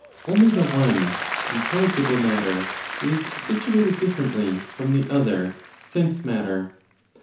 Only the one (intelligible matter) is situated differently from the other (sense matter).